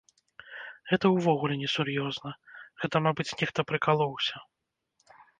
Гэта ўвогуле несур'ёзна, гэта, мабыць, нехта прыкалоўся.